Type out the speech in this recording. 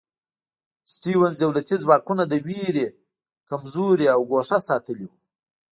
سټیونز دولتي ځواکونه له وېرې کمزوري او ګوښه ساتلي وو.